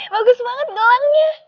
bagus banget gelangnya